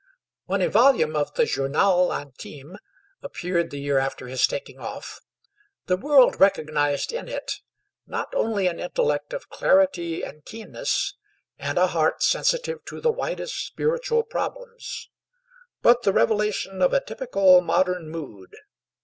When a volume of the 'Journal Intime' appeared the year after his taking off, the world recognized in it not only an intellect of clarity and keenness, and a heart sensitive to the widest spiritual problems, but the revelation of a typical modern mood.